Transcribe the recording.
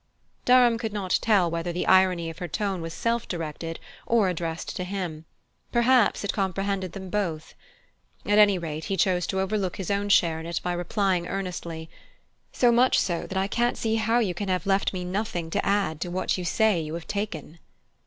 Durham could not tell whether the irony of her tone was self directed or addressed to himself perhaps it comprehended them both. At any rate, he chose to overlook his own share in it in replying earnestly: "So much so, that I can't see how you can have left me nothing to add to what you say you have taken."